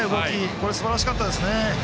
これ、すばらしかったですね。